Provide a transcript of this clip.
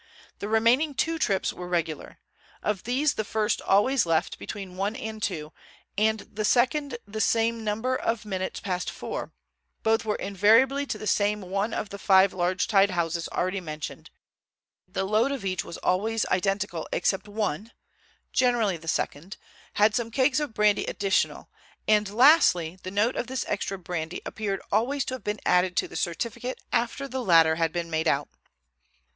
The remaining two trips were regular. Of these the first always left between one and two and the second the same number of minutes past four; both were invariably to the same one of the five large tied houses already mentioned; the load of each was always identical except that one—generally the second—had some kegs of brandy additional, and, lastly, the note of this extra brandy appeared always to have been added to the certificate after the latter had been made out.